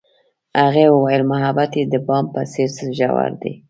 هغې وویل محبت یې د بام په څېر ژور دی.